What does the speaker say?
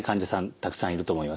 たくさんいると思います。